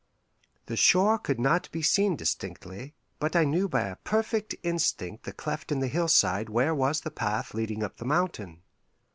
The shore could not be seen distinctly, but I knew by a perfect instinct the cleft in the hillside where was the path leading up the mountain.